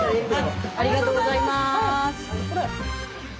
ありがとうございます。